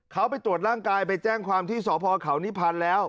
เขาไปตรวจร่างกายไปแจ้งความที่สอบภาคเขานี้ผ่านแล้ว